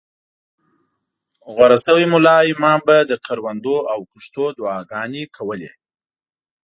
غوره شوي ملا او امام به د کروندو او کښتو دعاګانې کولې.